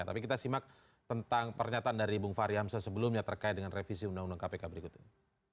tapi kita simak tentang pernyataan dari bung fahri hamzah sebelumnya terkait dengan revisi undang undang kpk berikut ini